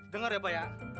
dengar ya mpok ya